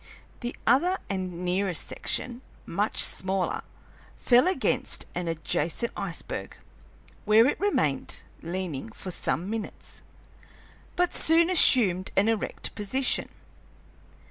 The other and nearest section, much smaller, fell against an adjacent iceberg, where it remained leaning for some minutes, but soon assumed an erect position.